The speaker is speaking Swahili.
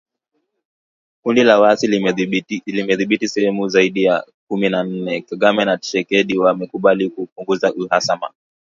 Kundi la Waasi limedhibiti sehemu zaidi ya kumi na nne, Kagame na Tshisekedi wamekubali kupunguza uhasama